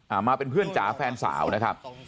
มาเป็นเพื่อนจ๋าแฟนสาวนะครับ